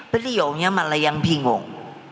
beliaunya malah yang bingung